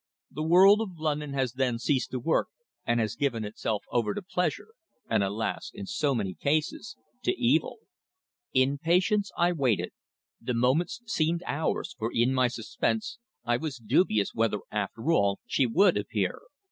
The world of London has then ceased to work and has given itself over to pleasure, and, alas! in so many cases, to evil. In patience I waited. The moments seemed hours, for in my suspense I was dubious whether, after all, she would appear.